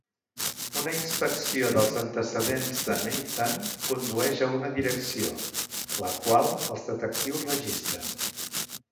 Una inspecció dels antecedents de Nathan condueix a una direcció, la qual els detectius registren.